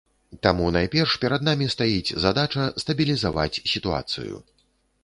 Таму найперш перад намі стаіць задача стабілізаваць сітуацыю.